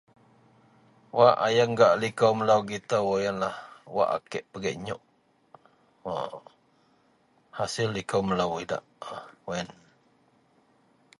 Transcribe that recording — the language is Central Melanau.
wak ayeng gak likou melou gitou ienlah, wak a kek pigek nyok waa hasil likou melou idak wak ien